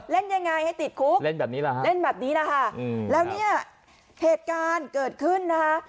เล่นยังไงให้ติดคุกเล่นแบบนี้นะคะแล้วเนี่ยเหตุการณ์เกิดขึ้นนะคะ